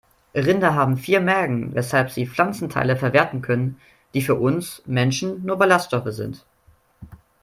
Rinder haben vier Mägen, weshalb sie Pflanzenteile verwerten können, die für uns Menschen nur Ballaststoffe sind.